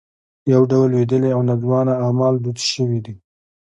یو ډول لوېدلي او ناځوانه اعمال دود شوي دي.